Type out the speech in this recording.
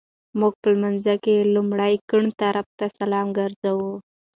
مونږ په لمانځه کي لومړی خپل ګېڼ طرفته سلام ګرځوو